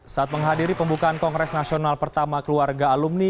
saat menghadiri pembukaan kongres nasional pertama keluarga alumni